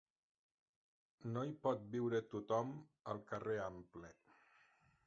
No hi pot viure tothom, al carrer Ample.